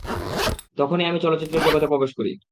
তখনই আমি চলচ্চিত্রের জগতে প্রবেশ করি।